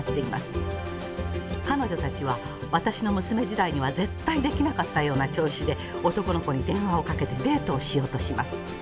彼女たちは私の娘時代には絶対できなかったような調子で男の子に電話をかけてデートをしようとします。